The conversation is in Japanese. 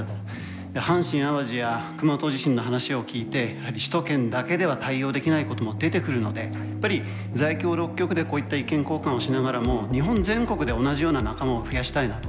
阪神・淡路や熊本地震の話を聞いてやはり首都圏だけでは対応できないことも出てくるのでやっぱり在京６局でこういった意見交換をしながらも日本全国で同じような仲間を増やしたいなと思います。